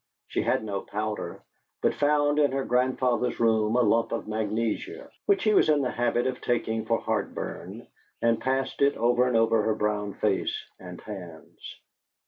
She had no powder, but found in her grandfather's room a lump of magnesia, that he was in the habit of taking for heart burn, and passed it over and over her brown face and hands.